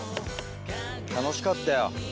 楽しかったよ。